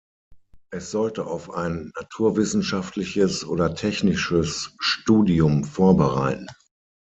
Es sollte auf ein naturwissenschaftliches oder technisches Studium vorbereiten.